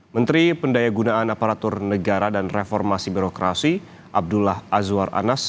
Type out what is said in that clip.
menteri pendaya gunaan aparatur negara dan reformasi birokrasi abdullah azwar anas